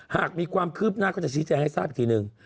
หากมีความคืบหน้าก็จะชี้แจงให้ทราบอีกทีนึง